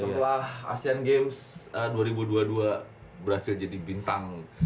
setelah asean games dua ribu dua puluh dua berhasil jadi bintang